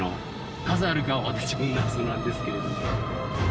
なぜあるかは私も謎なんですけれども。